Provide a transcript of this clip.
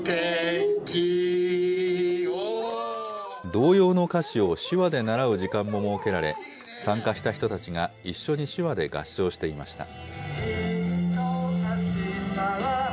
童謡の歌詞を手話で習う時間も設けられ、参加した人たちが、一緒に手話で合唱していました。